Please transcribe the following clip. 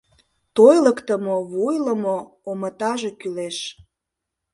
Тойлыктымо вуйлымо омытаже кӱлеш.